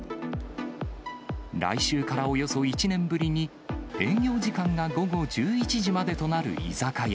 来週からおよそ１年ぶりに、営業時間が午後１１時までとなる居酒屋。